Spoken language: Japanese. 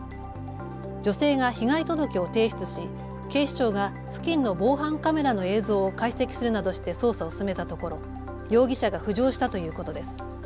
女性が被害届を提出し、警視庁が付近の防犯カメラの映像を解析するなどして捜査を進めたところ容疑者が浮上したということです。